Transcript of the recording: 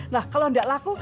nah kalau enggak laku